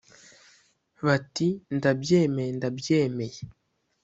bati” ndabyemeye ndabyemeye